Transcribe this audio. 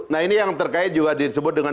nah ini yang terkait juga disebut dengan